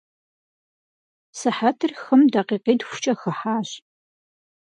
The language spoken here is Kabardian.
Сыхьэтыр хым дакъикъитхукӏэ хыхьащ.